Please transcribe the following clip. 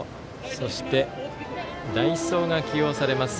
そして、代走が起用されます。